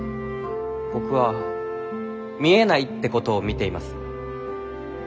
僕は見えないってことを見ています。